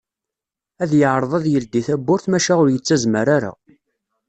Ad yeɛreḍ ad yeldi tawwurt maca ur yettazmar ara.